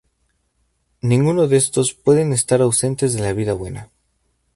Ninguno de estos pueden estar ausentes de la vida buena.